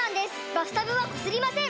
バスタブはこすりません！